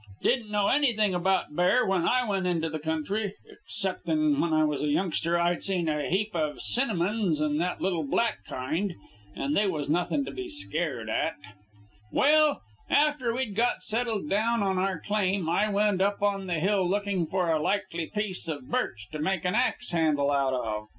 Didn't know anything about bear when I went into the country, exceptin' when I was a youngster I'd seen a heap of cinnamons and that little black kind. And they was nothin' to be scared at. "Well, after we'd got settled down on our claim, I went up on the hill lookin' for a likely piece of birch to make an ax handle out of.